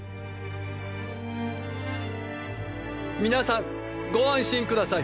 皆さんご安心下さい！